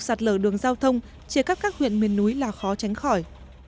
sạt lở đường giao thông chia cắt các huyện miền núi là khó tránh khỏi